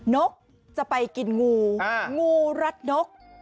นกจะไปกินงูงูรัดนก